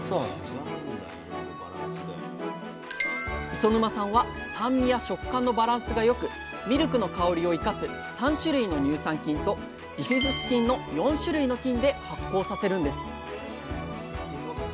磯沼さんは酸味や食感のバランスが良くミルクの香りを生かす３種類の乳酸菌とビフィズス菌の４種類の菌で発酵させるんです